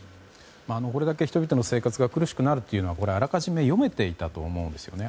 これだけ人々の生活が苦しくなるというのはこれ、あらかじめ読めていたと思うんですね。